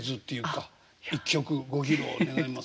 一曲ご披露願えますか。